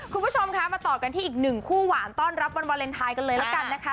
คุณผู้ชมคะมาต่อกันที่อีกหนึ่งคู่หวานต้อนรับวันวาเลนไทยกันเลยละกันนะคะ